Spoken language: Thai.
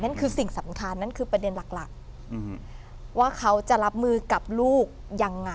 นั่นคือสิ่งสำคัญนั่นคือประเด็นหลักว่าเขาจะรับมือกับลูกยังไง